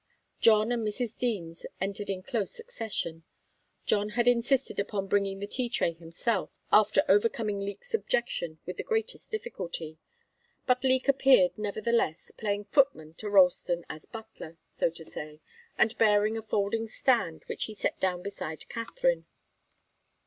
John and Mrs. Deems entered in close succession. John had insisted upon bringing the tea tray himself, after overcoming Leek's objection with the greatest difficulty. But Leek appeared, nevertheless, playing footman to Ralston as butler, so to say, and bearing a folding stand, which he set down beside Katharine.